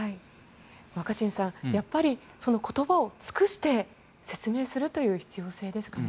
若新さん、やっぱり言葉を尽くして説明するという必要性ですかね。